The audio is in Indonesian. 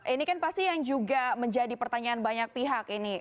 ini kan pasti yang juga menjadi pertanyaan banyak pihak ini